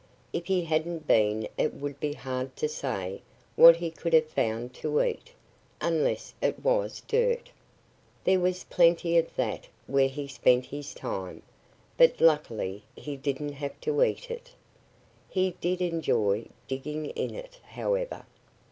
If he hadn't been it would be hard to say what he could have found to eat unless it was dirt. There was plenty of that where he spent his time. But luckily he didn't have to eat it. He did enjoy digging in it, however.